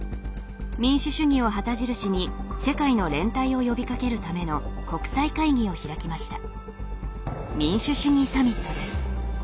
民主主義を旗印に世界の連帯を呼びかけるための国際会議を開きました。